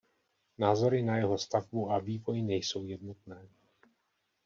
Názory na jeho stavbu a vývoj nejsou jednotné.